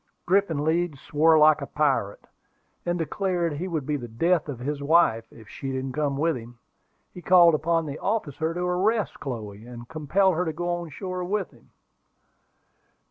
Griffin Leeds swore like a pirate, and declared he would be the death of his wife if she didn't come with him. He called upon the officer to arrest Chloe, and compel her to go on shore with him.